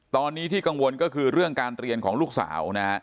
ตอนนี้ที่กังวลก็คือเรื่องการเรียนของลูกสาวนะฮะ